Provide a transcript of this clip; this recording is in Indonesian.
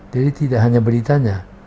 jadi tidak hanya beritanya